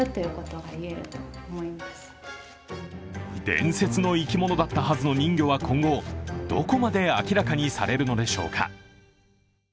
伝説の生き物だったはずの人魚は今後、どこまで明らかにされるのでしょうか？